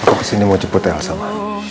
aku kesini mau cepet ya sama